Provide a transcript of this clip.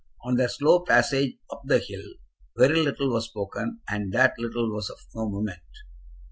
On their slow passage up the hill very little was spoken, and that little was of no moment.